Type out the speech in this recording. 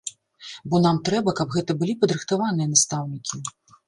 Бо нам трэба, каб гэта былі падрыхтаваныя настаўнікі.